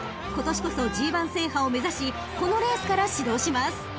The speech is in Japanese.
［今年こそＧⅠ制覇を目指しこのレースから始動します］